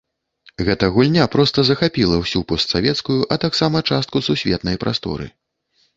Гэта гульня проста захапіла ўсю постсавецкую, а таксама частку сусветнай прасторы.